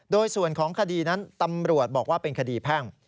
โดยส่วนของคดีนั้นตำรวจบอกว่าเป็นคดีแพ่ง